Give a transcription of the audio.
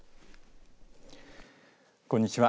こんにちは。